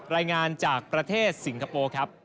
รายงานจากประเทศสิงคโปร์ครับ